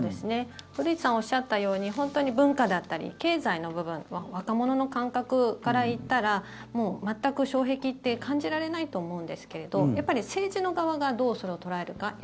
古市さんがおっしゃったように本当に文化だったり経済の部分若者の感覚からいったらもう全く障壁って感じられないと思うんですけれどやっぱり政治の側がどうそれを捉えるか。